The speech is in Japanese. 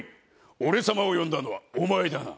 俺様を呼んだのはお前だな？